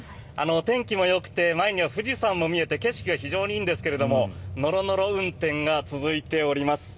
天気もよくて前には富士山も見えて景色が非常にいいんですがノロノロ運転が続いています。